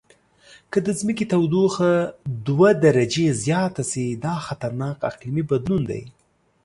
که د ځمکې تودوخه دوه درجې زیاته شي، دا خطرناک اقلیمي بدلون دی.